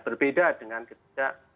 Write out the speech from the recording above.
berbeda dengan ketika